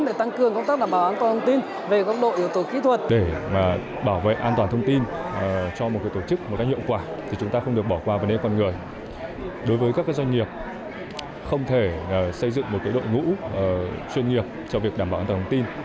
đối với các doanh nghiệp không thể xây dựng một đội ngũ chuyên nghiệp cho việc đảm bảo an toàn thông tin